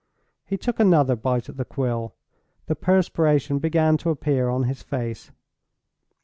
He took another bite at the quill. The perspiration began to appear on his face.